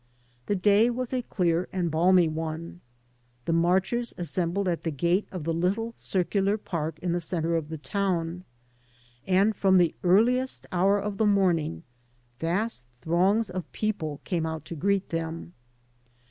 The day was a dear and balmy one. The marchers assembled at the gate of the little circular park in the center of the town, and from the earliest hour of the morning vast throngs of people came out to greet them.